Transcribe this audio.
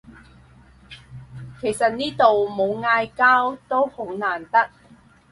其實呢度冇嗌交都好難得